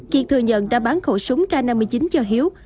kiệt thừa nhận đã bán khẩu súng k năm mươi chín cho hiếu